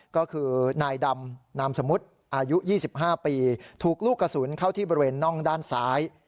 ก็คือนายดำนามสมมุติอายุ๒๕ปีถูกลูกกระสุนเข้าที่บริเวณน่องด้านซ้าย